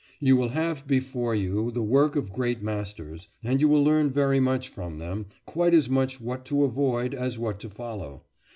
You will have before you the work of great masters, and you will learn very much from them quite as much what to avoid as what to follow.